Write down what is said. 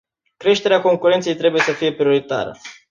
Creșterea concurenței trebuie să fie prioritară.